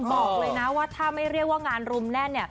บอกเลยนะว่าถ้าไม่เรียกว่างานรุมแน่นเนี่ย